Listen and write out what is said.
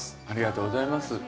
ありがとうございます。